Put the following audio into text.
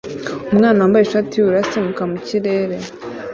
Umwana wambaye ishati yubururu asimbuka mu kirere